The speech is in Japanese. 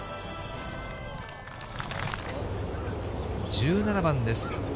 １７番です。